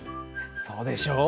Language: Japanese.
そうでしょう？